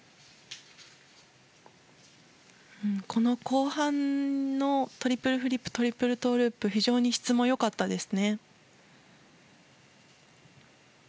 後半のトリプルフリップトリプルトウループ非常に質も良かったです。